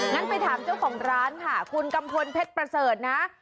งั้นไปถามเจ้าของร้านค่ะคุณกัมพลเพชรประเสริฐนะ